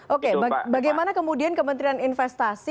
oke bagaimana kemudian kementerian investasi